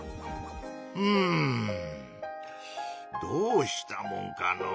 うんどうしたもんかのう。